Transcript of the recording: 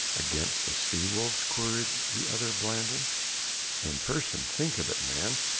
"Against the sea wolves?" queried the other blandly. "In person. Think of it, man!